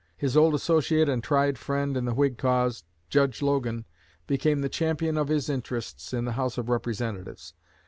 His old associate and tried friend in the Whig cause, Judge Logan, became the champion of his interests in the House of Representatives.